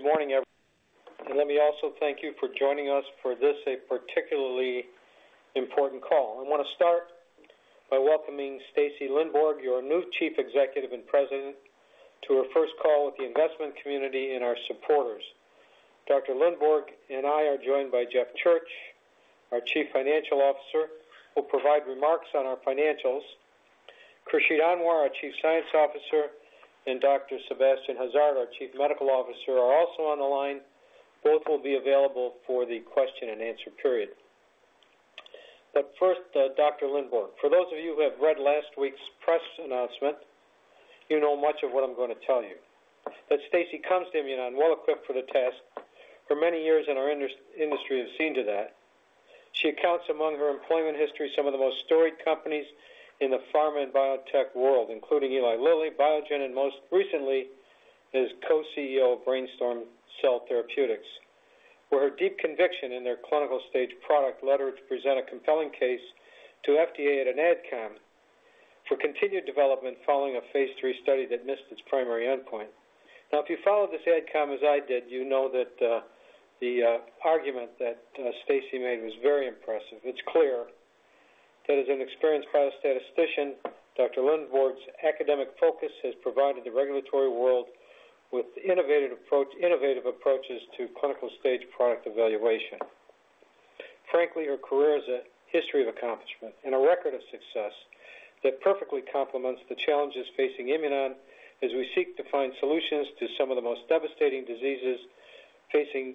Good morning, everyone. Let me also thank you for joining us for this particularly important call. I want to start by welcoming Stacy Lindborg, your new Chief Executive and President, to our first call with the investment community and our supporters. Dr. Lindborg and I are joined by Jeff Church, our Chief Financial Officer, who will provide remarks on our financials. Khursheed Anwer, our Chief Science Officer, and Dr. Sebastien Hazard, our Chief Medical Officer, are also on the line. Both will be available for the question and answer. But first, Dr. Lindborg, for those of you who have read last week's press announcement, you know much of what I'm going to tell you. That Stacy comes to Imunon well equipped for the task. Her many years in our industry have seen to that. She accounts, among her employment history, some of the most storied companies in the pharma and biotech world, including Eli Lilly, Biogen, and most recently as Co-CEO of BrainStorm Cell Therapeutics, where her deep conviction in their clinical stage product leverage presented a compelling case to FDA at an Adcom for continued development following a phase 3 study that missed its primary endpoint. Now, if you followed this Adcom as I did, you know that the argument that Stacy made was very impressive. It's clear that, as an experienced biostatistician, Dr. Lindborg's academic focus has provided the regulatory world with innovative approaches to clinical stage product evaluation. Frankly, her career is a history of accomplishment and a record of success that perfectly complements the challenges facing Imunon as we seek to find solutions to some of the most devastating diseases facing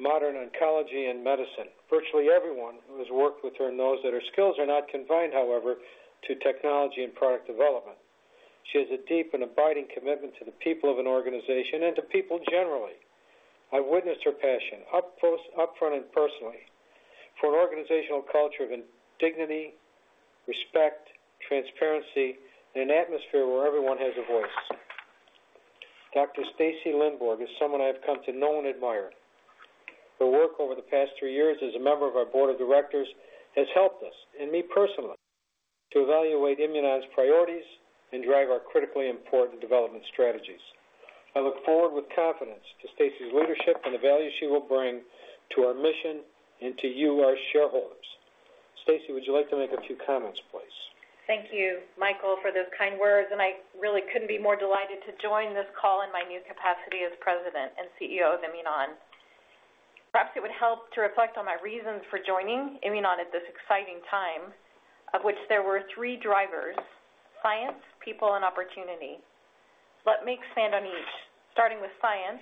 modern oncology and medicine. Virtually everyone who has worked with her knows that her skills are not confined, however, to technology and product development. She has a deep and abiding commitment to the people of an organization and to people generally. I witnessed her passion upfront and personally for an organizational culture of dignity, respect, transparency, and an atmosphere where everyone has a voice. Dr. Stacy Lindborg is someone I have come to know and admire. Her work over the past three years as a member of our board of directors has helped us and me personally to evaluate Imunon's priorities and drive our critically important development strategies. I look forward with confidence to Stacy's leadership and the value she will bring to our mission and to you, our shareholders. Stacy, would you like to make a few comments, please? Thank you, Michael, for those kind words. I really couldn't be more delighted to join this call in my new capacity as President and CEO of Imunon. Perhaps it would help to reflect on my reasons for joining Imunon at this exciting time, of which there were three drivers: science, people, and opportunity. Let me expand on each, starting with science.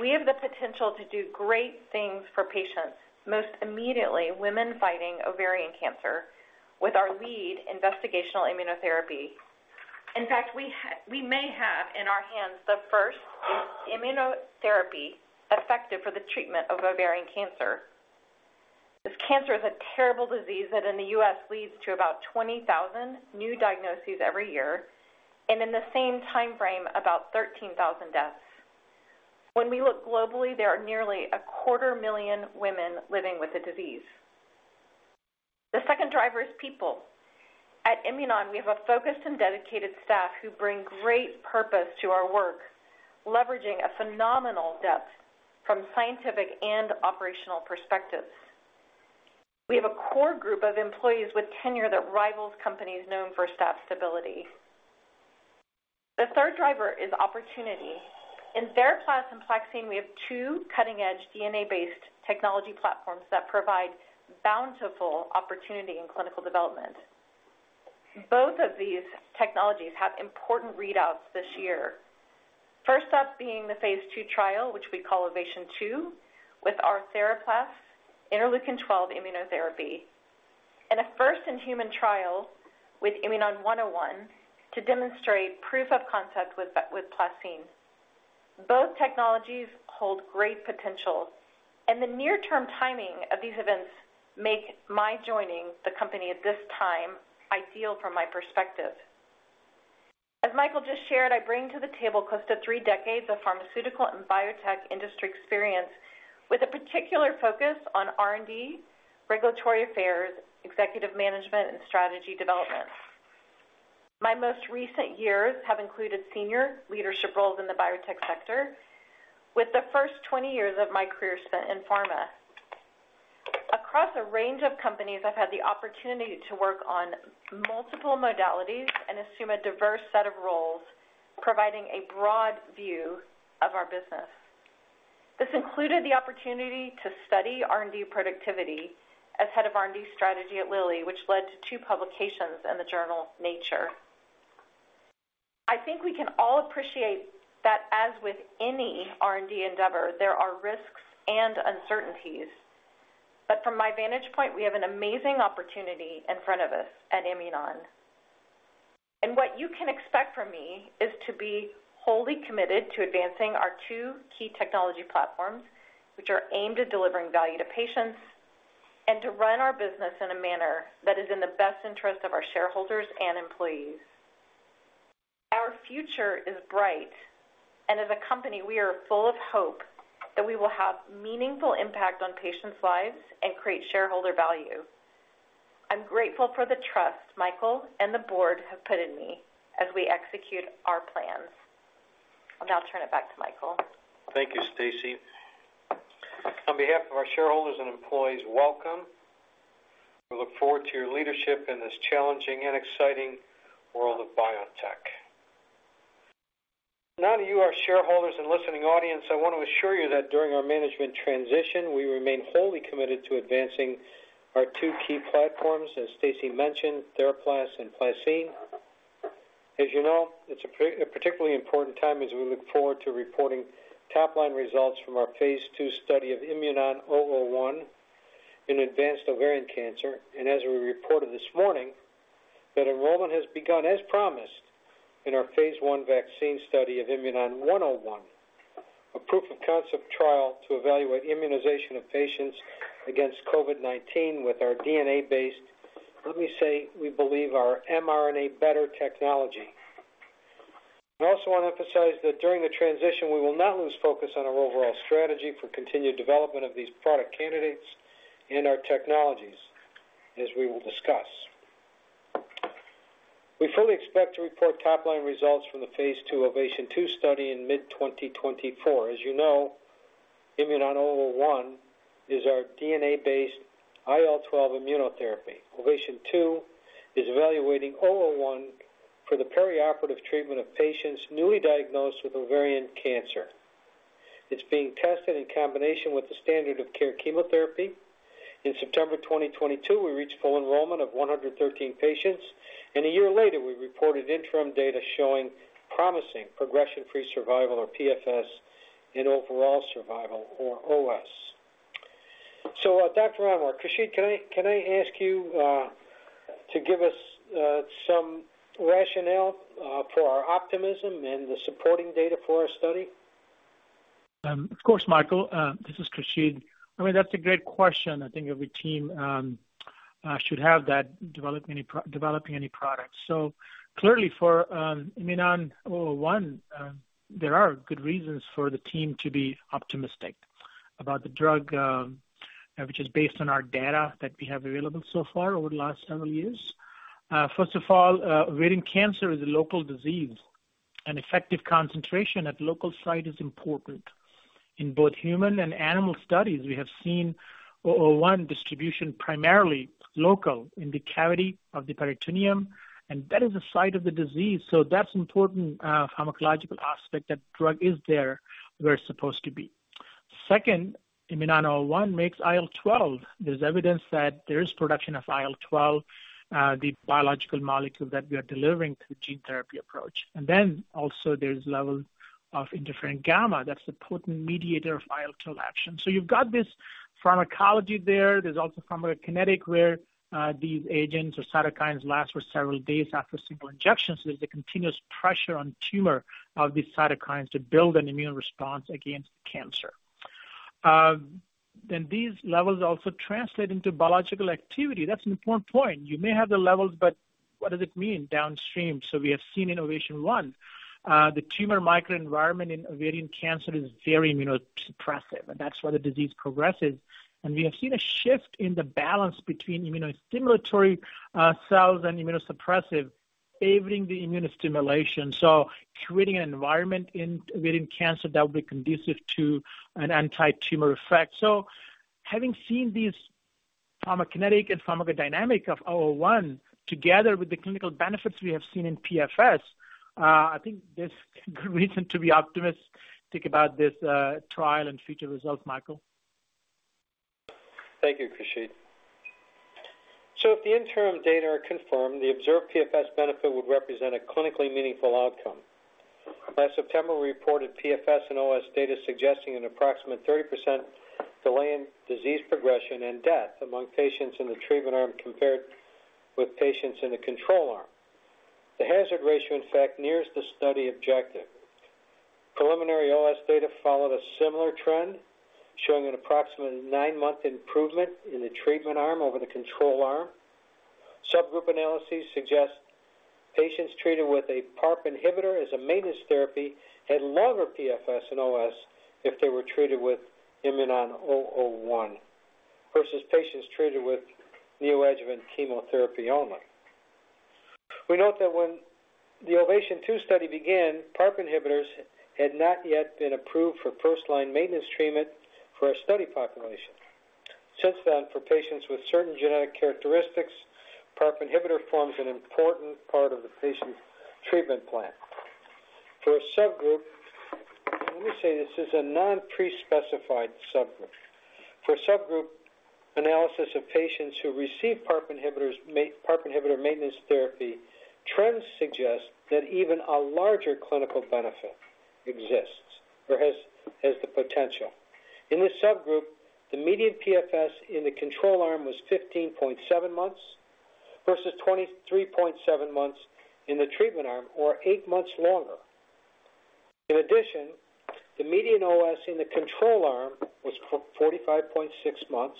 We have the potential to do great things for patients, most immediately women fighting ovarian cancer, with our lead investigational immunotherapy. In fact, we may have in our hands the first immunotherapy effective for the treatment of ovarian cancer. This cancer is a terrible disease that, in the U.S., leads to about 20,000 new diagnoses every year, and in the same time frame, about 13,000 deaths. When we look globally, there are nearly 250,000 women living with the disease. The second driver is people. At Imunon, we have a focused and dedicated staff who bring great purpose to our work, leveraging a phenomenal depth from scientific and operational perspectives. We have a core group of employees with tenure that rivals companies known for staff stability. The third driver is opportunity. In their class, in PlaCCine, we have two cutting-edge DNA-based technology platforms that provide bountiful opportunity in clinical development. Both of these technologies have important readouts this year, first up being the phase II trial, which we call Ovation II, with our TheraPlas interleukin-12 immunotherapy, and a first-in-human trial with Imunon 101 to demonstrate proof of concept with PlaCCine. Both technologies hold great potential, and the near-term timing of these events make my joining the company at this time ideal from my perspective. As Michael just shared, I bring to the table close to three decades of pharmaceutical and biotech industry experience, with a particular focus on R&D, regulatory affairs, executive management, and strategy development. My most recent years have included senior leadership roles in the biotech sector, with the first 20 years of my career spent in pharma. Across a range of companies, I've had the opportunity to work on multiple modalities and assume a diverse set of roles, providing a broad view of our business. This included the opportunity to study R&D productivity as head of R&D strategy at Lilly, which led to two publications in the journal Nature. I think we can all appreciate that, as with any R&D endeavor, there are risks and uncertainties. But from my vantage point, we have an amazing opportunity in front of us at Imunon. What you can expect from me is to be wholly committed to advancing our two key technology platforms, which are aimed at delivering value to patients, and to run our business in a manner that is in the best interest of our shareholders and employees. Our future is bright, and as a company, we are full of hope that we will have meaningful impact on patients' lives and create shareholder value. I'm grateful for the trust Michael and the board have put in me as we execute our plans. I'll now turn it back to Michael. Thank you, Stacy. On behalf of our shareholders and employees, welcome. We look forward to your leadership in this challenging and exciting world of biotech. Now to you, our shareholders and listening audience. I want to assure you that during our management transition, we remain wholly committed to advancing our two key platforms, as Stacy mentioned, TheraPlas and PlaCCine. As you know, it's a particularly important time as we look forward to reporting top-line results from our phase II study of Imunon 001 in advanced ovarian cancer. And as we reported this morning, that enrollment has begun, as promised, in our phase 1 vaccine study of Imunon 101, a proof of concept trial to evaluate immunization of patients against COVID-19 with our DNA-based, let me say, we believe our mRNA better technology. I also want to emphasize that during the transition, we will not lose focus on our overall strategy for continued development of these product candidates and our technologies, as we will discuss. We fully expect to report top-line results from the phase II OVATION 2 study in mid-2024. As you know, Imunon 001 is our DNA-based IL-12 immunotherapy. OVATION 2 is evaluating 001 for the perioperative treatment of patients newly diagnosed with ovarian cancer. It's being tested in combination with the standard of care chemotherapy. In September 2022, we reached full enrollment of 113 patients. A year later, we reported interim data showing promising progression-free survival, or PFS, in overall survival, or OS. So, Dr. Anwer, Khursheed, can I ask you to give us some rationale for our optimism and the supporting data for our study? Of course, Michael. This is Khursheed. I mean, that's a great question. I think every team should have that, developing any products. So clearly, for Imunon 001, there are good reasons for the team to be optimistic about the drug, which is based on our data that we have available so far over the last several years. First of all, ovarian cancer is a local disease, and effective concentration at local site is important. In both human and animal studies, we have seen 001 distribution primarily local in the cavity of the peritoneum, and that is the site of the disease. So that's an important pharmacological aspect, that drug is there where it's supposed to be. Second, Imunon 001 makes IL-12. There's evidence that there is production of IL-12, the biological molecule that we are delivering through gene therapy approach. And then also, there's levels of interferon gamma. That's the potent mediator of IL-12 action. So you've got this pharmacology there. There's also pharmacokinetic, where these agents or cytokines last for several days after single injection. So there's a continuous pressure on tumor of these cytokines to build an immune response against cancer. Then these levels also translate into biological activity. That's an important point. You may have the levels, but what does it mean downstream? So we have seen in OVATION 1, the tumor microenvironment in ovarian cancer is very immunosuppressive, and that's why the disease progresses. And we have seen a shift in the balance between immunostimulatory cells and immunosuppressive, favoring the immunostimulation, so creating an environment in ovarian cancer that would be conducive to an anti-tumor effect. Having seen this pharmacokinetic and pharmacodynamic of 001 together with the clinical benefits we have seen in PFS, I think there's good reason to be optimistic about this trial and future results, Michael. Thank you, Khursheed. If the interim data are confirmed, the observed PFS benefit would represent a clinically meaningful outcome. Last September, we reported PFS and OS data suggesting an approximate 30% delay in disease progression and death among patients in the treatment arm compared with patients in the control arm. The hazard ratio, in fact, nears the study objective. Preliminary OS data followed a similar trend, showing an approximate 9-month improvement in the treatment arm over the control arm. Subgroup analyses suggest patients treated with a PARP inhibitor as a maintenance therapy had longer PFS and OS if they were treated with Imunon 001 versus patients treated with neoadjuvant chemotherapy only. We note that when the OVATION 2 study began, PARP inhibitors had not yet been approved for first-line maintenance treatment for our study population. Since then, for patients with certain genetic characteristics, PARP inhibitor forms an important part of the patient's treatment plan. For a subgroup, let me say this is a non-pre-specified subgroup. For a subgroup analysis of patients who receive PARP inhibitor maintenance therapy, trends suggest that even a larger clinical benefit exists or has the potential. In this subgroup, the median PFS in the control arm was 15.7 months versus 23.7 months in the treatment arm, or eight months longer. In addition, the median OS in the control arm was 45.6 months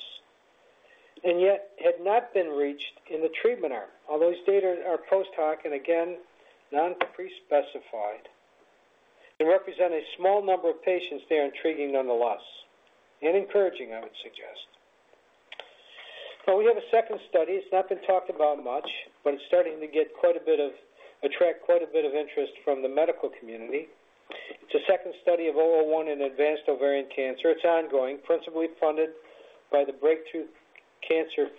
and yet had not been reached in the treatment arm, although these data are post-hoc and, again, non-pre-specified and represent a small number of patients. They are intriguing nonetheless and encouraging, I would suggest. Now, we have a second study. It's not been talked about much, but it's starting to get quite a bit of interest from the medical community. It's a second study of 001 in advanced ovarian cancer. It's ongoing, principally funded by the Break Through Cancer.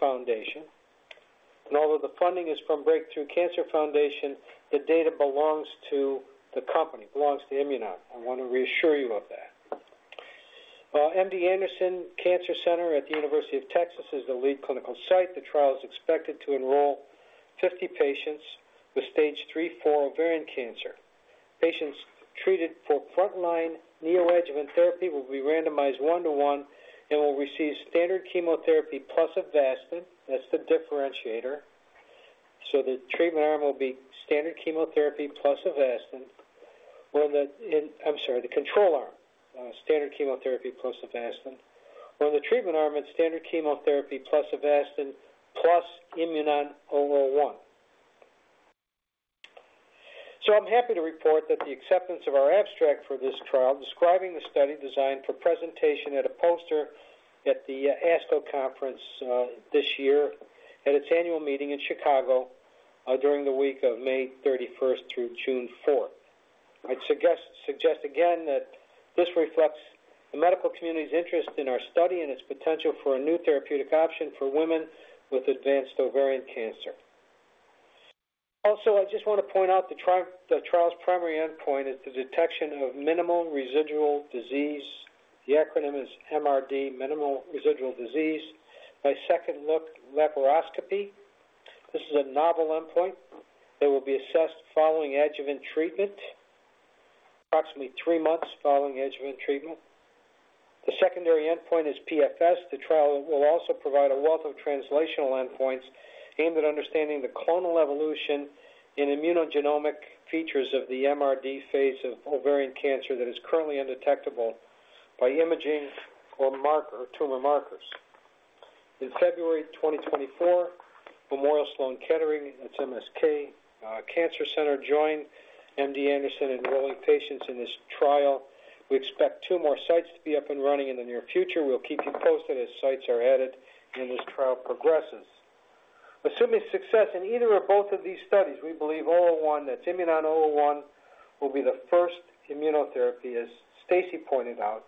And although the funding is from Break Through Cancer, the data belongs to the company, belongs to Imunon. I want to reassure you of that. MD Anderson Cancer Center at the University of Texas is the lead clinical site. The trial is expected to enroll 50 patients with stage III/IV ovarian cancer. Patients treated for front-line neoadjuvant therapy will be randomized 1-to-1 and will receive standard chemotherapy plus Avastin. That's the differentiator. So the treatment arm will be standard chemotherapy plus Avastin or in the, I'm sorry, the control arm, standard chemotherapy plus Avastin. Or in the treatment arm, it's standard chemotherapy plus Avastin plus IMNN-001. So I'm happy to report that the acceptance of our abstract for this trial describing the study designed for presentation at a poster at the ASCO conference this year, at its annual meeting in Chicago during the week of May 31st through June 4th. I'd suggest again that this reflects the medical community's interest in our study and its potential for a new therapeutic option for women with advanced ovarian cancer. Also, I just want to point out the trial's primary endpoint is the detection of minimal residual disease. The acronym is MRD, minimal residual disease, by second-look laparoscopy. This is a novel endpoint that will be assessed following adjuvant treatment, approximately three months following adjuvant treatment. The secondary endpoint is PFS. The trial will also provide a wealth of translational endpoints aimed at understanding the clonal evolution in immunogenomic features of the MRD phase of ovarian cancer that is currently undetectable by imaging or tumor markers. In February 2024, Memorial Sloan Kettering, that's MSK Cancer Center, joined MD Anderson in enrolling patients in this trial. We expect two more sites to be up and running in the near future. We'll keep you posted as sites are added and as trial progresses. Assuming success in either or both of these studies, we believe 001, that's Imunon 001, will be the first immunotherapy, as Stacy pointed out,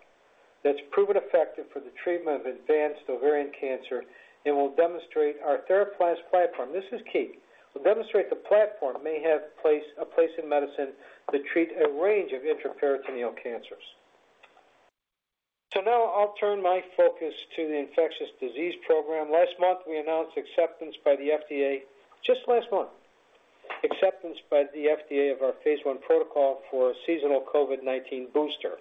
that's proven effective for the treatment of advanced ovarian cancer and will demonstrate our TheraPlas platform. This is key. We'll demonstrate the platform may have a place in medicine to treat a range of intraperitoneal cancers. So now I'll turn my focus to the infectious disease program. Last month, we announced acceptance by the FDA just last month, acceptance by the FDA of our phase 1 protocol for a seasonal COVID-19 booster.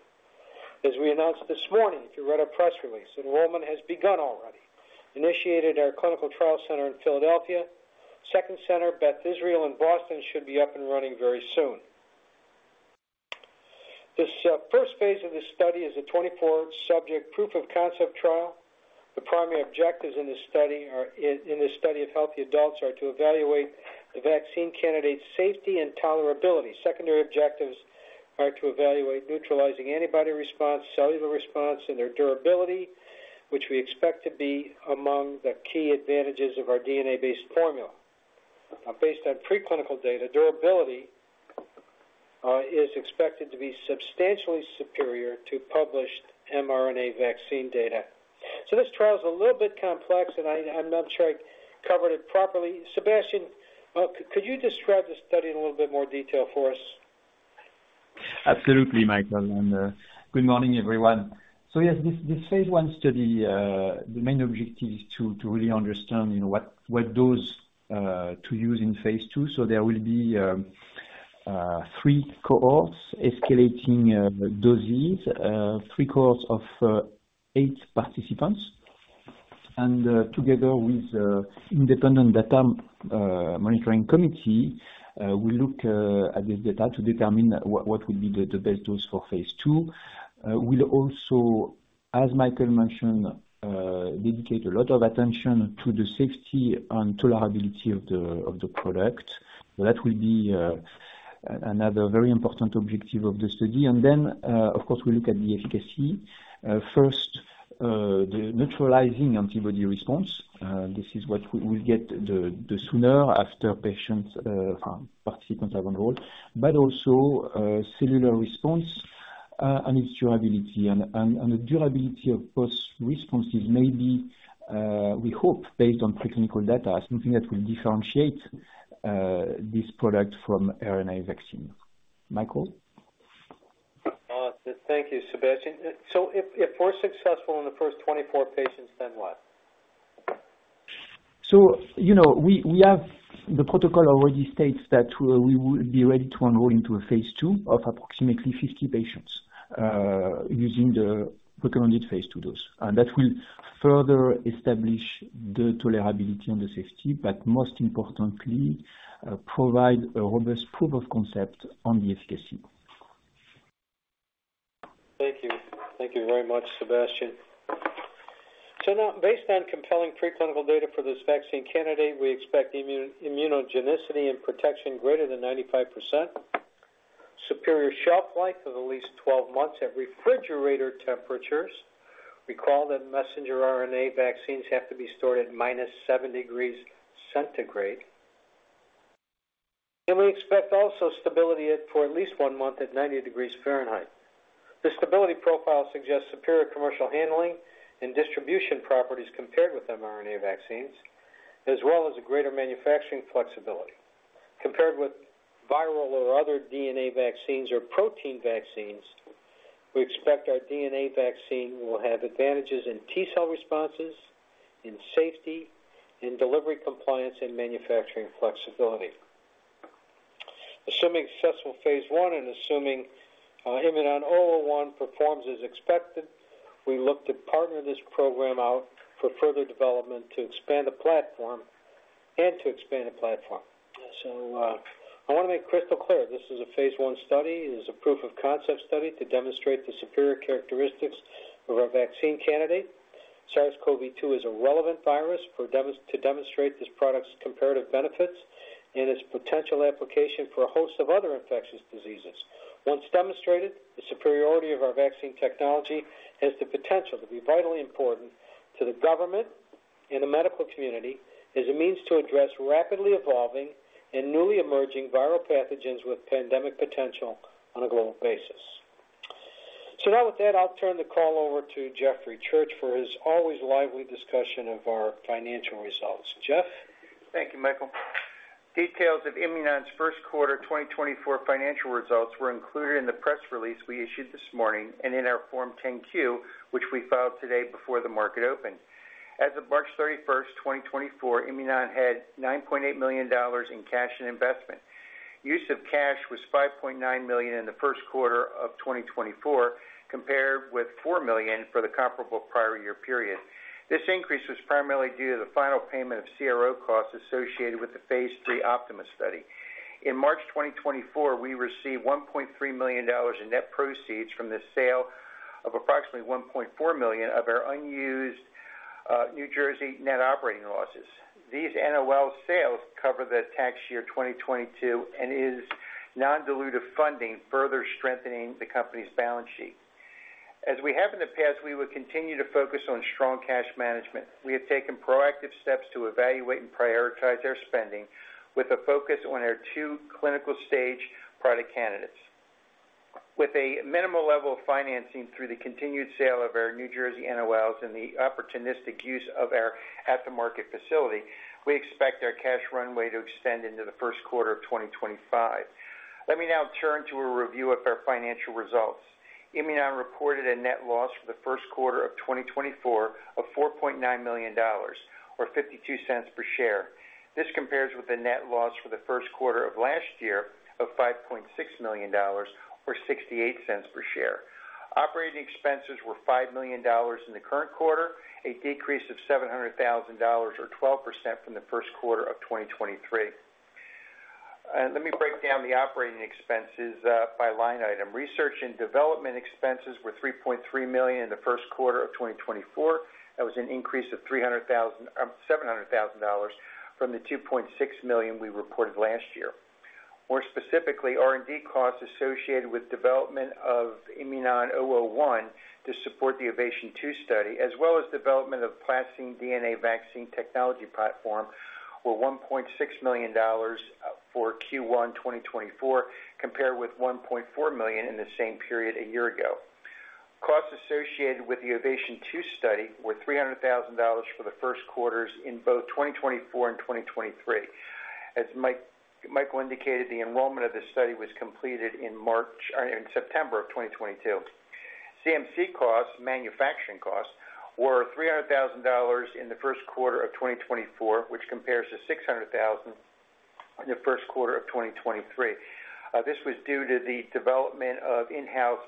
As we announced this morning, if you read our press release, enrollment has begun already. Initiated our clinical trial center in Philadelphia. Second center, Beth Israel, in Boston should be up and running very soon. This first phase of this study is a 24-subject proof of concept trial. The primary objectives in this study in this study of healthy adults are to evaluate the vaccine candidate's safety and tolerability. Secondary objectives are to evaluate neutralizing antibody response, cellular response, and their durability, which we expect to be among the key advantages of our DNA-based formula. Now, based on preclinical data, durability is expected to be substantially superior to published mRNA vaccine data. This trial is a little bit complex, and I'm not sure I covered it properly. Sebastien, could you describe the study in a little bit more detail for us? Absolutely, Michael. Good morning, everyone. So yes, this phase I study, the main objective is to really understand what dose to use in phase II. So there will be 3 cohorts escalating doses, 3 cohorts of 8 participants. And together with the independent data monitoring committee, we'll look at this data to determine what would be the best dose for phase II. We'll also, as Michael mentioned, dedicate a lot of attention to the safety and tolerability of the product. So that will be another very important objective of the study. And then, of course, we'll look at the efficacy. First, the neutralizing antibody response. This is what we'll get sooner after patients participants have enrolled, but also cellular response and its durability. And the durability of post-responses may be, we hope, based on preclinical data, something that will differentiate this product from RNA vaccine. Michael? Thank you, Sebastien. So if we're successful in the first 24 patients, then what? The protocol already states that we will be ready to enroll into a phase 2 of approximately 50 patients using the recommended phase 2 dose. That will further establish the tolerability and the safety, but most importantly, provide a robust proof of concept on the efficacy. Thank you. Thank you very much, Sebastien. So now, based on compelling preclinical data for this vaccine candidate, we expect immunogenicity and protection greater than 95%, superior shelf life of at least 12 months at refrigerator temperatures. Recall that messenger RNA vaccines have to be stored at -7 degrees Celsius. We expect also stability for at least 1 month at 90 degrees Fahrenheit. The stability profile suggests superior commercial handling and distribution properties compared with mRNA vaccines, as well as a greater manufacturing flexibility. Compared with viral or other DNA vaccines or protein vaccines, we expect our DNA vaccine will have advantages in T-cell responses, in safety, in delivery compliance, and manufacturing flexibility. Assuming successful phase 1 and assuming Imunon 101 performs as expected, we look to partner this program out for further development to expand the platform and to expand the platform. So I want to make crystal clear, this is a phase 1 study. It is a proof of concept study to demonstrate the superior characteristics of our vaccine candidate. SARS-CoV-2 is a relevant virus to demonstrate this product's comparative benefits and its potential application for a host of other infectious diseases. Once demonstrated, the superiority of our vaccine technology has the potential to be vitally important to the government and the medical community as a means to address rapidly evolving and newly emerging viral pathogens with pandemic potential on a global basis. So now, with that, I'll turn the call over to Jeffrey Church for his always lively discussion of our financial results. Jeff? Thank you, Michael. Details of Imunon's first quarter 2024 financial results were included in the press release we issued this morning and in our Form 10-Q, which we filed today before the market opened. As of March 31st, 2024, Imunon had $9.8 million in cash and investment. Use of cash was $5.9 million in the first quarter of 2024 compared with $4 million for the comparable prior year period. This increase was primarily due to the final payment of CRO costs associated with the phase 3 Optimus study. In March 2024, we received $1.3 million in net proceeds from the sale of approximately $1.4 million of our unused New Jersey net operating losses. These NOL sales cover the tax year 2022 and is non-dilutive funding, further strengthening the company's balance sheet. As we have in the past, we will continue to focus on strong cash management. We have taken proactive steps to evaluate and prioritize our spending with a focus on our two clinical stage product candidates. With a minimal level of financing through the continued sale of our New Jersey NOLs and the opportunistic use of our aftermarket facility, we expect our cash runway to extend into the first quarter of 2025. Let me now turn to a review of our financial results. Imunon reported a net loss for the first quarter of 2024 of $4.9 million or 52 cents per share. This compares with the net loss for the first quarter of last year of $5.6 million or 68 cents per share. Operating expenses were $5 million in the current quarter, a decrease of $700,000 or 12% from the first quarter of 2023. Let me break down the operating expenses by line item. Research and development expenses were $3.3 million in the first quarter of 2024. That was an increase of $700,000 from the $2.6 million we reported last year. More specifically, R&D costs associated with development of Imunon 001 to support the OVATION 2 study, as well as development of PlaCCine DNA vaccine technology platform, were $1.6 million for Q1 2024 compared with $1.4 million in the same period a year ago. Costs associated with the OVATION 2 study were $300,000 for the first quarters in both 2024 and 2023. As Michael indicated, the enrollment of this study was completed in September of 2022. CMC costs, manufacturing costs, were $300,000 in the first quarter of 2024, which compares to $600,000 in the first quarter of 2023. This was due to the development of in-house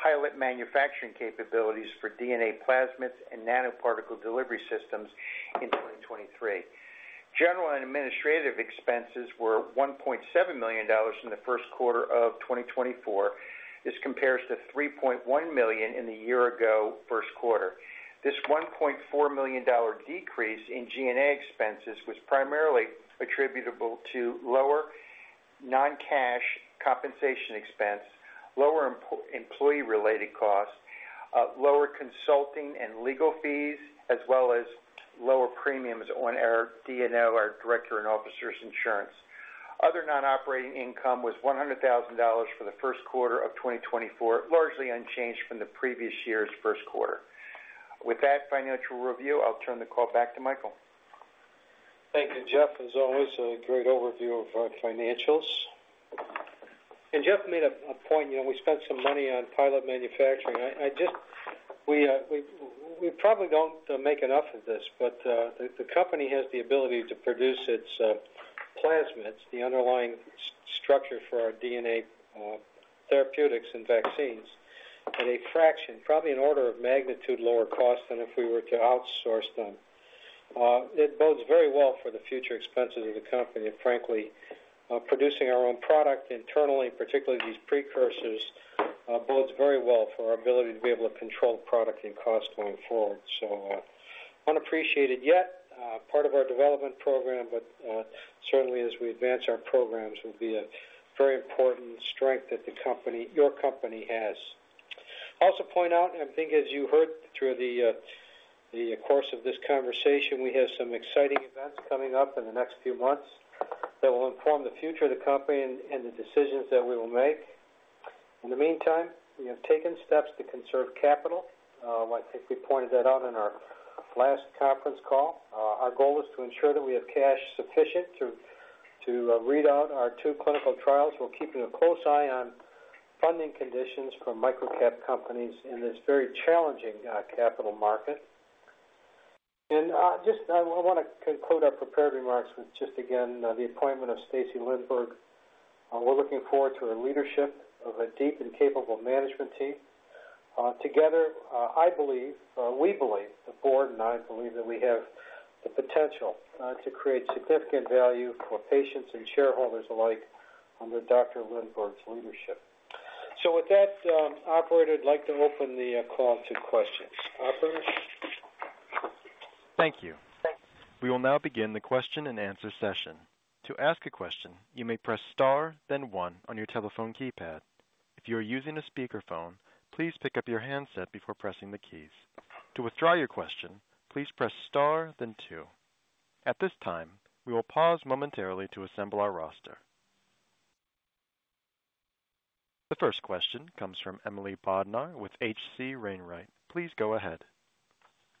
pilot manufacturing capabilities for DNA plasmids and nanoparticle delivery systems in 2023. General and administrative expenses were $1.7 million in the first quarter of 2024. This compares to $3.1 million in the year ago first quarter. This $1.4 million decrease in G&A expenses was primarily attributable to lower non-cash compensation expense, lower employee-related costs, lower consulting and legal fees, as well as lower premiums on our D&O, our Director and Officers Insurance. Other non-operating income was $100,000 for the first quarter of 2024, largely unchanged from the previous year's first quarter. With that financial review, I'll turn the call back to Michael. Thank you, Jeff. As always, a great overview of financials. Jeff made a point. We spent some money on pilot manufacturing. We probably don't make enough of this, but the company has the ability to produce its plasmids, the underlying structure for our DNA therapeutics and vaccines, at a fraction, probably an order of magnitude lower cost than if we were to outsource them. It bodes very well for the future expenses of the company. And frankly, producing our own product internally, particularly these precursors, bodes very well for our ability to be able to control product and cost going forward. So unappreciated yet, part of our development program, but certainly, as we advance our programs, will be a very important strength that your company has. I'll also point out, and I think as you heard through the course of this conversation, we have some exciting events coming up in the next few months that will inform the future of the company and the decisions that we will make. In the meantime, we have taken steps to conserve capital. I think we pointed that out in our last conference call. Our goal is to ensure that we have cash sufficient to read out our two clinical trials. We'll keep a close eye on funding conditions for microcap companies in this very challenging capital market. I want to conclude our prepared remarks with just, again, the appointment of Stacy Lindborg. We're looking forward to her leadership of a deep and capable management team. Together, I believe, we believe, the board, and I believe that we have the potential to create significant value for patients and shareholders alike under Dr. Lindborg's leadership. So with that, operator, I'd like to open the call to questions. Operator? Thank you. We will now begin the question and answer session. To ask a question, you may press star, then one, on your telephone keypad. If you are using a speakerphone, please pick up your handset before pressing the keys. To withdraw your question, please press star, then two. At this time, we will pause momentarily to assemble our roster. The first question comes from Emily Bodnar with H.C. Wainwright. Please go ahead.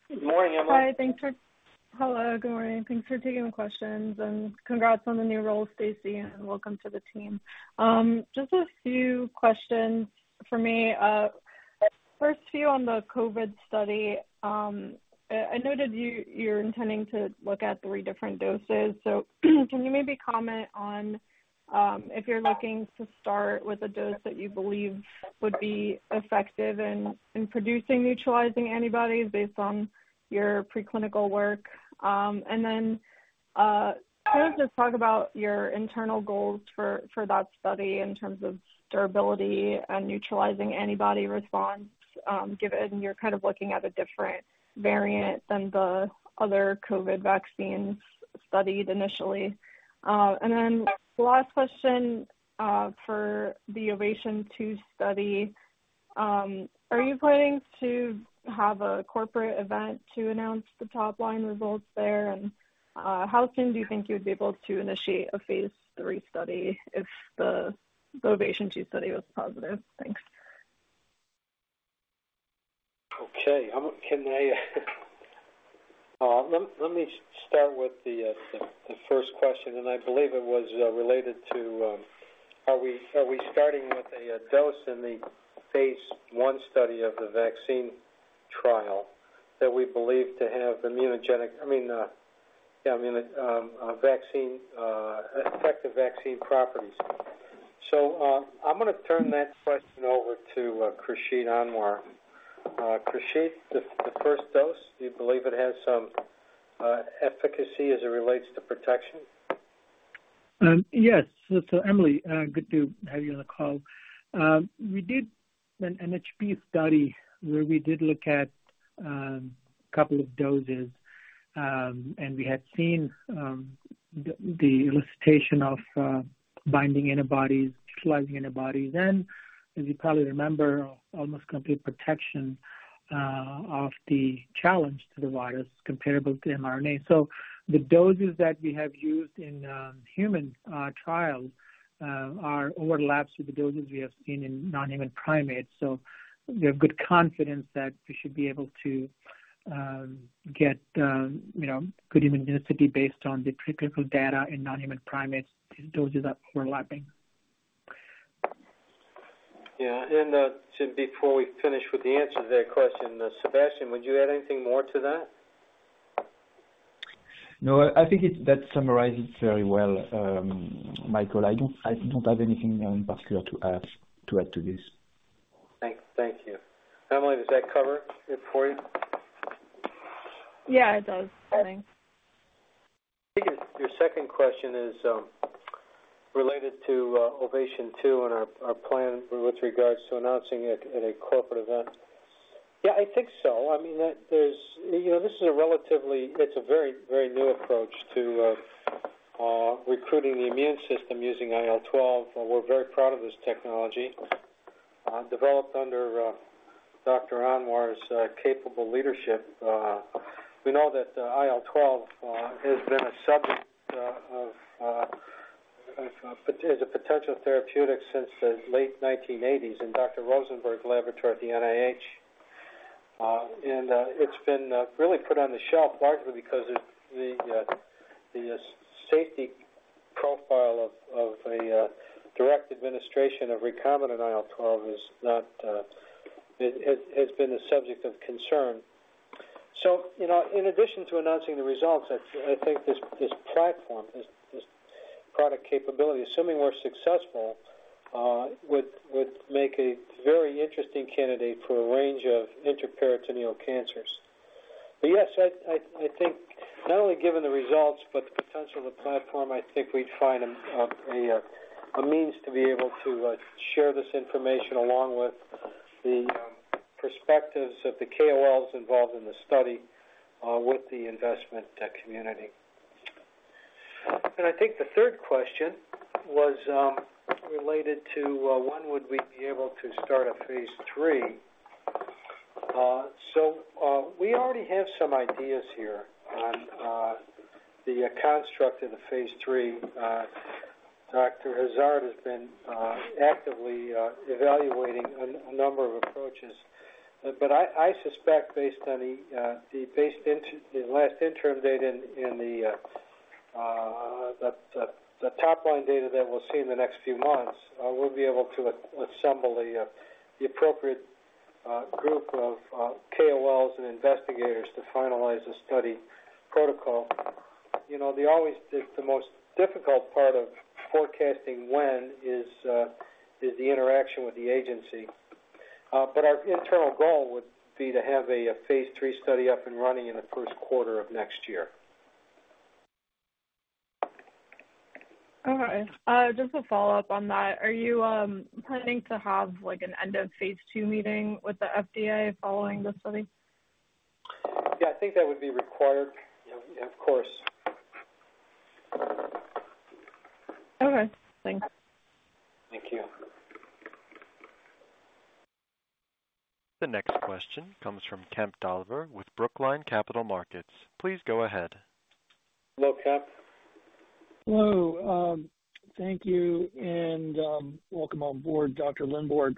Good morning, Emily. Hi. Thanks for hello. Good morning. Thanks for taking the questions. And congrats on the new role, Stacy, and welcome to the team. Just a few questions for me. First few on the COVID study. I noted you're intending to look at three different doses. So can you maybe comment on if you're looking to start with a dose that you believe would be effective in producing neutralizing antibodies based on your preclinical work? And then kind of just talk about your internal goals for that study in terms of durability and neutralizing antibody response, given you're kind of looking at a different variant than the other COVID vaccines studied initially. And then the last question for the OVATION 2 study, are you planning to have a corporate event to announce the top-line results there? How soon do you think you would be able to initiate a phase III study if the OVATION 2 study was positive? Thanks. Okay. Can I let me start with the first question. I believe it was related to are we starting with a dose in the phase 1 study of the vaccine trial that we believe to have immunogenic I mean, yeah, I mean, effective vaccine properties. I'm going to turn that question over to Khursheed Anwer. Khursheed, the first dose, do you believe it has some efficacy as it relates to protection? Yes. So Emily, good to have you on the call. We did an NHP study where we did look at a couple of doses. And we had seen the elicitation of binding antibodies, neutralizing antibodies, and, as you probably remember, almost complete protection of the challenge to the virus comparable to mRNA. So the doses that we have used in human trials overlap with the doses we have seen in non-human primates. So we have good confidence that we should be able to get good immunogenicity based on the clinical data in non-human primates. These doses are overlapping. Yeah. And before we finish with the answer to that question, Sebastien, would you add anything more to that? No, I think that summarizes very well, Michael. I don't have anything in particular to add to this. Thank you. Emily, does that cover it for you? Yeah, it does. Thanks. I think your second question is related to OVATION 2 and our plan with regards to announcing it at a corporate event. Yeah, I think so. I mean, this is a relatively, it's a very, very new approach to recruiting the immune system using IL-12. We're very proud of this technology, developed under Dr. Anwer's capable leadership. We know that IL-12 has been a subject of, as a potential therapeutic, since the late 1980s in Dr. Rosenberg's laboratory at the NIH. And it's been really put on the shelf largely because the safety profile of a direct administration of recombinant IL-12 has been the subject of concern. So in addition to announcing the results, I think this platform, this product capability, assuming we're successful, would make a very interesting candidate for a range of intraperitoneal cancers. But yes, I think not only given the results, but the potential of the platform, I think we'd find a means to be able to share this information along with the perspectives of the KOLs involved in the study with the investment community. And I think the third question was related to when would we be able to start a phase III. So we already have some ideas here on the construct of the phase 3. Dr. Hazard has been actively evaluating a number of approaches. But I suspect, based on the last interim data in the top-line data that we'll see in the next few months, we'll be able to assemble the appropriate group of KOLs and investigators to finalize a study protocol. The most difficult part of forecasting when is the interaction with the agency. Our internal goal would be to have a phase III study up and running in the first quarter of next year. All right. Just a follow-up on that. Are you planning to have an end-of-phase II meeting with the FDA following the study? Yeah, I think that would be required, of course. Okay. Thanks. Thank you. The next question comes from Kemp Dolliver with Brookline Capital Markets. Please go ahead. Hello, Kemp. Hello. Thank you and welcome on board, Dr. Lindborg.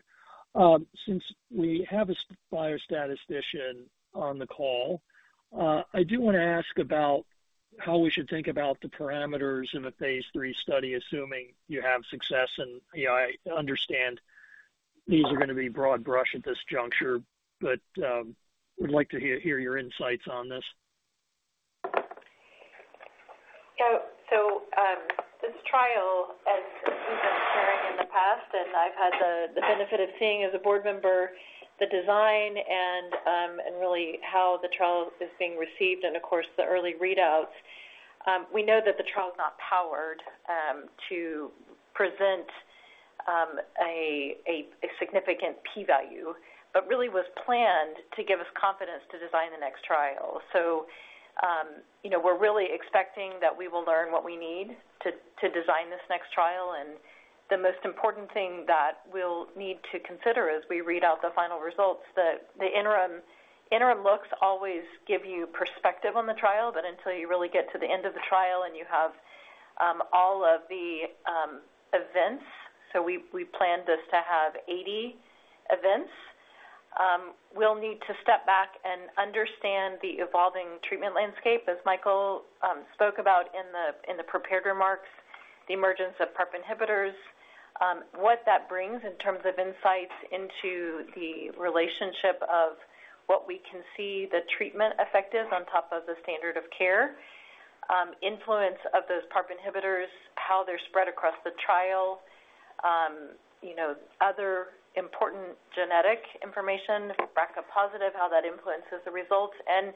Since we have a biostatistician on the call, I do want to ask about how we should think about the parameters in a phase 3 study, assuming you have success. I understand these are going to be broad brush at this juncture, but would like to hear your insights on this. So this trial, as we've been sharing in the past, and I've had the benefit of seeing as a board member the design and really how the trial is being received and, of course, the early readouts, we know that the trial is not powered to present a significant p-value, but really was planned to give us confidence to design the next trial. So we're really expecting that we will learn what we need to design this next trial. And the most important thing that we'll need to consider as we read out the final results, the interim looks always give you perspective on the trial. But until you really get to the end of the trial and you have all of the events—so we planned this to have 80 events—we'll need to step back and understand the evolving treatment landscape, as Michael spoke about in the prepared remarks, the emergence of PARP inhibitors, what that brings in terms of insights into the relationship of what we can see the treatment effect is on top of the standard of care, influence of those PARP inhibitors, how they're spread across the trial, other important genetic information, BRCA positive, how that influences the results. And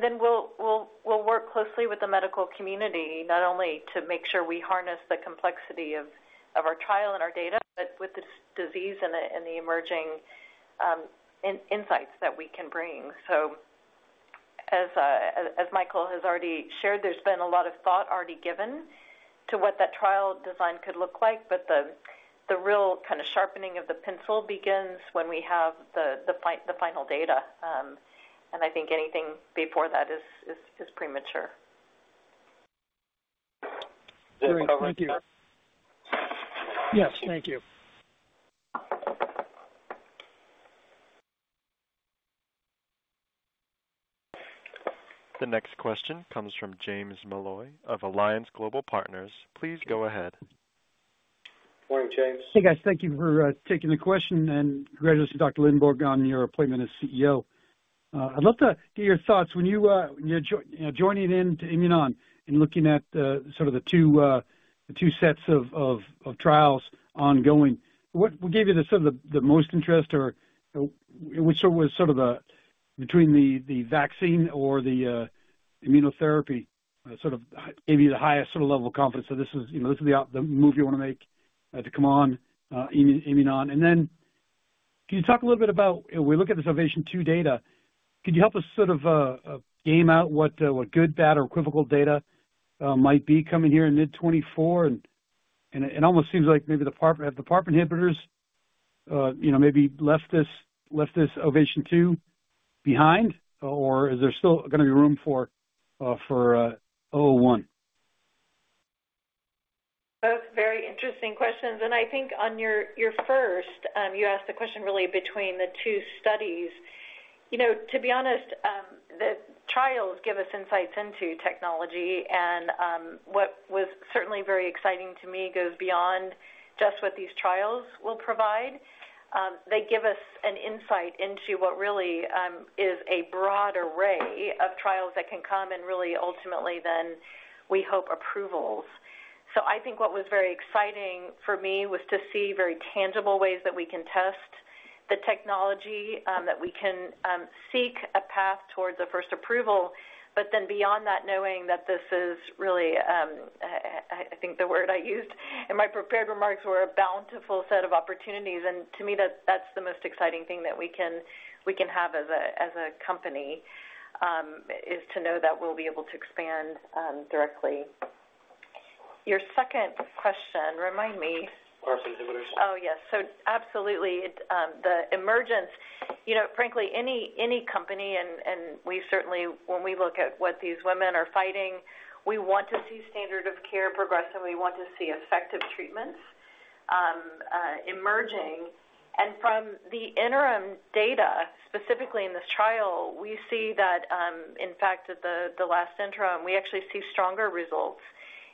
then we'll work closely with the medical community, not only to make sure we harness the complexity of our trial and our data, but with the disease and the emerging insights that we can bring. As Michael has already shared, there's been a lot of thought already given to what that trial design could look like. But the real kind of sharpening of the pencil begins when we have the final data. I think anything before that is premature. Is that covering? Thank you. Yes. Thank you. The next question comes from James Molloy of Alliance Global Partners. Please go ahead. Morning, James. Hey, guys. Thank you for taking the question. Congratulations to Dr. Lindborg on your appointment as CEO. I'd love to hear your thoughts. When you're joining in to Imunon and looking at sort of the two sets of trials ongoing, what gave you sort of the most interest, or which sort of was sort of the between the vaccine or the immunotherapy sort of gave you the highest sort of level of confidence that this is the move you want to make to come on Imunon? And then can you talk a little bit about when we look at this OVATION 2 data, could you help us sort of game out what good, bad, or equivocal data might be coming here in mid-2024? It almost seems like maybe the PARP have the PARP inhibitors maybe left this OVATION 2 behind, or is there still going to be room for 001? Both very interesting questions. And I think on your first, you asked a question really between the two studies. To be honest, the trials give us insights into technology. And what was certainly very exciting to me goes beyond just what these trials will provide. They give us an insight into what really is a broad array of trials that can come and really, ultimately, then we hope approvals. So I think what was very exciting for me was to see very tangible ways that we can test the technology, that we can seek a path towards a first approval, but then beyond that, knowing that this is really I think the word I used in my prepared remarks were a bountiful set of opportunities. And to me, that's the most exciting thing that we can have as a company, is to know that we'll be able to expand directly. Your second question, remind me. PARP inhibitors. Oh, yes. So absolutely, the emergence frankly, any company and we certainly, when we look at what these women are fighting, we want to see standard of care progress. And we want to see effective treatments emerging. And from the interim data, specifically in this trial, we see that, in fact, at the last interim, we actually see stronger results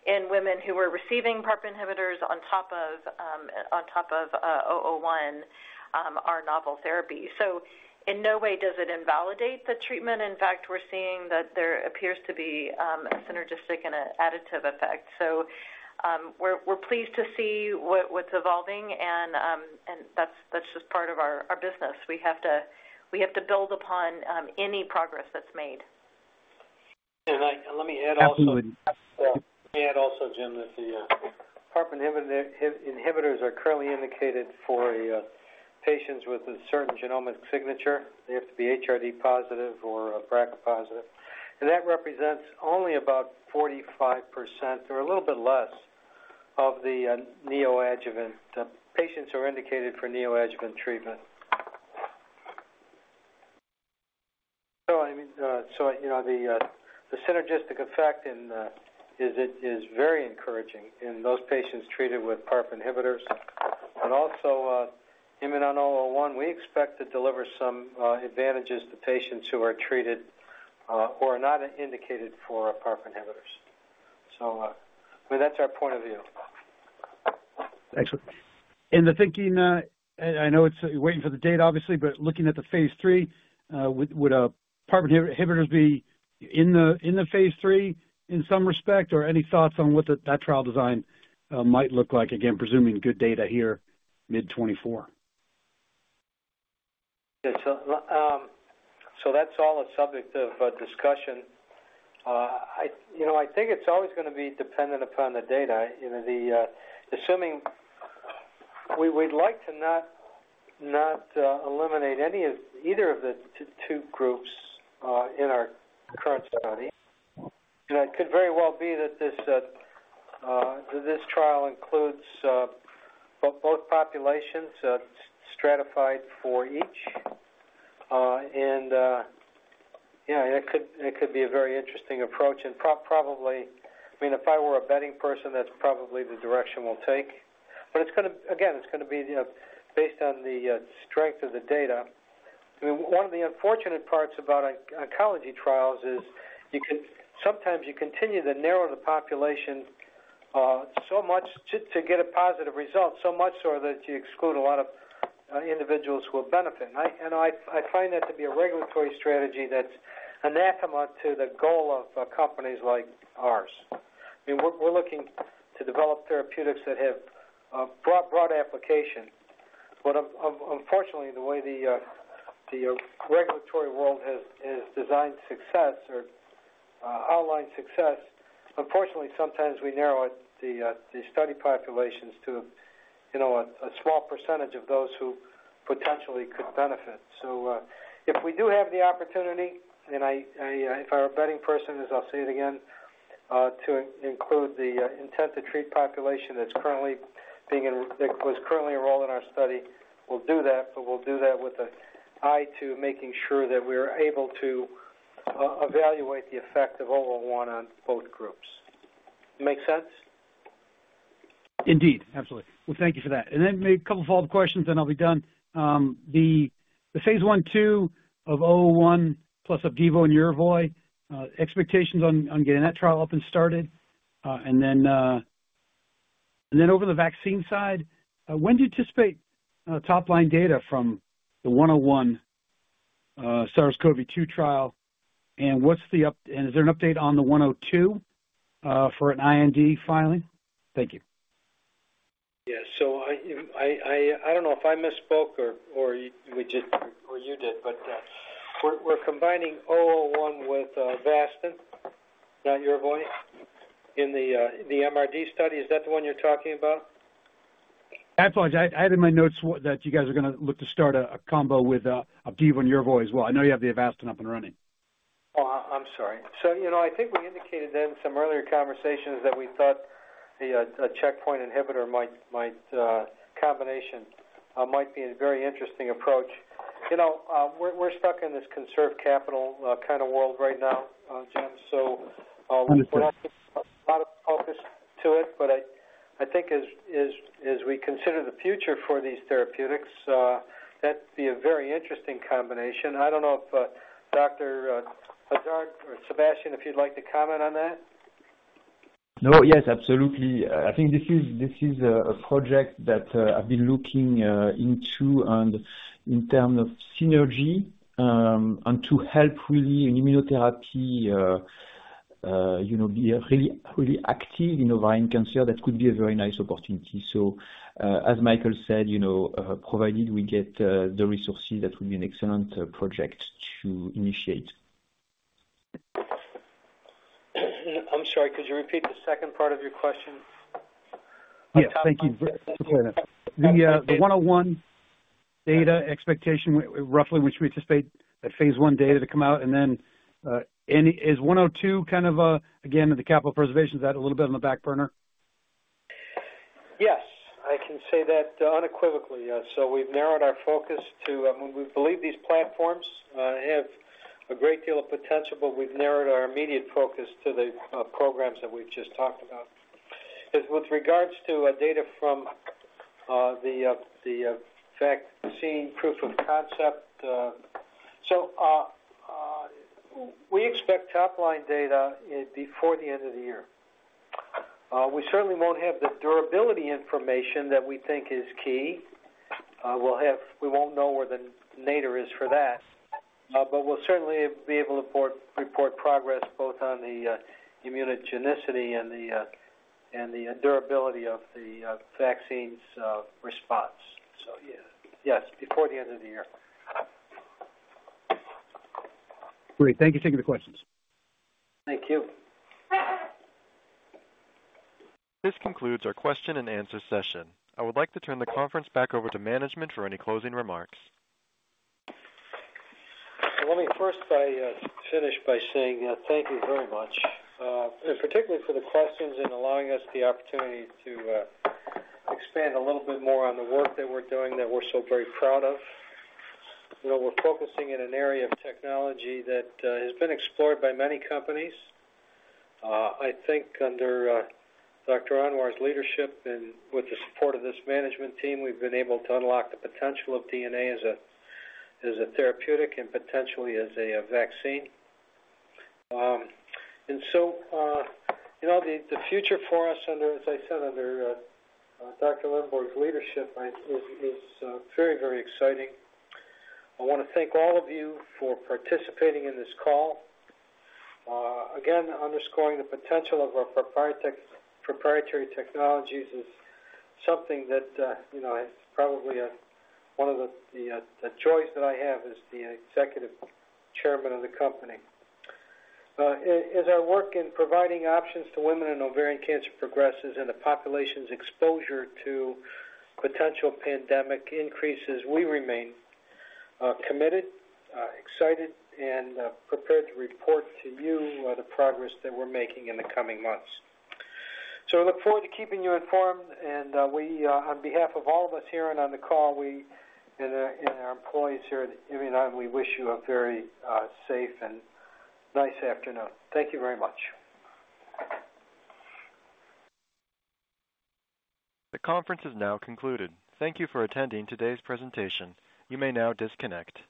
in women who were receiving PARP inhibitors on top of 001, our novel therapy. So in no way does it invalidate the treatment. In fact, we're seeing that there appears to be a synergistic and an additive effect. So we're pleased to see what's evolving. And that's just part of our business. We have to build upon any progress that's made. And let me add also, Jim, that the PARP inhibitors are currently indicated for patients with a certain genomic signature. They have to be HRD positive or BRCA positive. And that represents only about 45% or a little bit less of the neoadjuvant patients who are indicated for neoadjuvant treatment. So I mean, so the synergistic effect is very encouraging in those patients treated with PARP inhibitors. But also, Imunon 001, we expect to deliver some advantages to patients who are treated or are not indicated for PARP inhibitors. So I mean, that's our point of view. Excellent. And the thinking I know it's waiting for the date, obviously, but looking at the phase III, would PARP inhibitors be in the phase III in some respect, or any thoughts on what that trial design might look like, again, presuming good data here mid-2024? Yeah. So that's all a subject of discussion. I think it's always going to be dependent upon the data. Assuming we'd like to not eliminate either of the two groups in our current study. It could very well be that this trial includes both populations stratified for each. Yeah, it could be a very interesting approach. Probably, I mean, if I were a betting person, that's probably the direction we'll take. But again, it's going to be based on the strength of the data. I mean, one of the unfortunate parts about oncology trials is sometimes you continue to narrow the population so much to get a positive result, so much so that you exclude a lot of individuals who will benefit. I find that to be a regulatory strategy that's anathema to the goal of companies like ours. I mean, we're looking to develop therapeutics that have broad application. But unfortunately, the way the regulatory world has designed success or outlined success, unfortunately, sometimes we narrow the study populations to a small percentage of those who potentially could benefit. So if we do have the opportunity and if I were a betting person, as I'll say it again, to include the intent to treat population that was currently enrolled in our study, we'll do that. But we'll do that with an eye to making sure that we're able to evaluate the effect of 001 on both groups. Make sense? Indeed. Absolutely. Well, thank you for that. Then maybe a couple of follow-up questions, and I'll be done. The phase 1/2 of 001 plus Opdivo and Yervoy, expectations on getting that trial up and started. And then over the vaccine side, when do you anticipate top-line data from the 101 SARS-CoV-2 trial? And is there an update on the 102 for an IND filing? Thank you. Yeah. So I don't know if I misspoke or you did. But we're combining 001 with Avastin, not Yervoy, in the MRD study. Is that the one you're talking about? That's all right. I had in my notes that you guys were going to look to start a combo with Opdivo and Yervoy as well. I know you have the Avastin up and running. Oh, I'm sorry. So I think we indicated then in some earlier conversations that we thought the checkpoint inhibitor combination might be a very interesting approach. We're stuck in this conserved capital kind of world right now, Jim, so we're not getting a lot of focus to it. But I think as we consider the future for these therapeutics, that'd be a very interesting combination. I don't know if Dr. Hazard or Sebastien, if you'd like to comment on that. No, yes, absolutely. I think this is a project that I've been looking into in terms of synergy and to help really immunotherapy be really active in ovarian cancer. That could be a very nice opportunity. So as Michael said, provided we get the resources, that would be an excellent project to initiate. I'm sorry. Could you repeat the second part of your question? I'm talking about. Yeah. Thank you. The 101 data expectation, roughly, which we anticipate that phase 1 data to come out. And then is 102 kind of a again, the capital preservation, is that a little bit on the back burner? Yes. I can say that unequivocally. So we've narrowed our focus to I mean, we believe these platforms have a great deal of potential, but we've narrowed our immediate focus to the programs that we've just talked about. With regards to data from the vaccine proof of concept, so we expect top-line data before the end of the year. We certainly won't have the durability information that we think is key. We won't know where the nadir is for that. But we'll certainly be able to report progress both on the immunogenicity and the durability of the vaccine's response. So yeah, yes, before the end of the year. Great. Thank you for taking the questions. Thank you. This concludes our question-and-answer session. I would like to turn the conference back over to management for any closing remarks. Well, let me first finish by saying thank you very much, and particularly for the questions and allowing us the opportunity to expand a little bit more on the work that we're doing that we're so very proud of. We're focusing in an area of technology that has been explored by many companies. I think under Dr. Anwer's leadership and with the support of this management team, we've been able to unlock the potential of DNA as a therapeutic and potentially as a vaccine. And so the future for us, as I said, under Dr. Lindborg's leadership, is very, very exciting. I want to thank all of you for participating in this call. Again, underscoring the potential of our proprietary technologies is something that is probably one of the joys that I have as the Executive Chairman of the company. As our work in providing options to women in ovarian cancer progresses and the population's exposure to potential pandemic increases, we remain committed, excited, and prepared to report to you the progress that we're making in the coming months. So we look forward to keeping you informed. And on behalf of all of us here and on the call and our employees here at Imunon, we wish you a very safe and nice afternoon. Thank you very much. The conference is now concluded. Thank you for attending today's presentation. You may now disconnect.